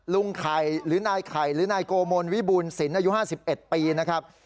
ลุงไข่หรือนายไข่หรือนายโกมลวิบูรสินอายุ๕๑ปีนะครับ